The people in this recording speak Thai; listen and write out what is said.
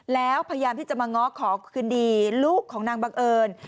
แล้วพยายามที่จะมาง้อขอคืนดีลูกของนางบังเอิญ